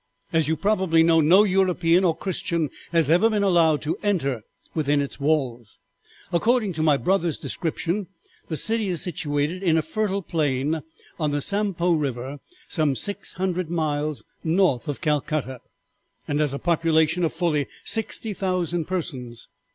As you probably know, no European or Christian has ever been allowed to enter within its walls. According to my brother's description the city is situated in a fertile plain on the Sampo river some six hundred miles north of Calcutta, and has a population of fully sixty thousand persons.